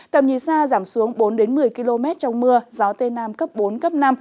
tầm nhìn xa giảm xuống bốn một mươi km trong mưa gió tây nam cấp bốn cấp năm